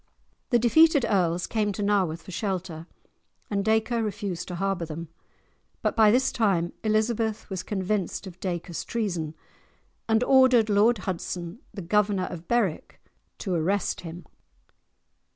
The defeated earls came to Nawarth for shelter, and Dacre refused to harbour them. But by this time Elizabeth was convinced of Dacre's treason, and ordered Lord Hudson, the Governor of Berwick, to arrest him.